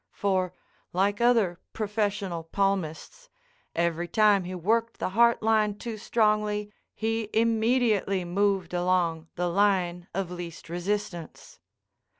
For, like other professional palmists, every time he worked the Heart Line too strongly he immediately moved along the Line of Least Resistance.